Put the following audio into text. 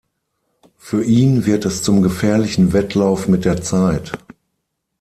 Für ihn wird es zum gefährlichen Wettlauf mit der Zeit.